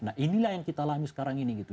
nah inilah yang kita alami sekarang ini gitu